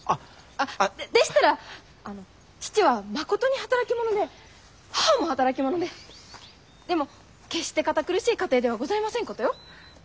あでしたらあの父はまことに働き者で母も働き者ででも決して堅苦しい家庭ではございませんことよ。